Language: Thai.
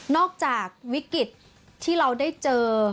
จากวิกฤตที่เราได้เจอ